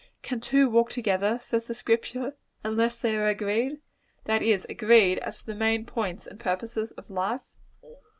Can two walk together, says the Scripture, unless they are agreed that is, agreed as to the main points and purposes of life?